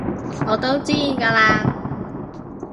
我都知㗎喇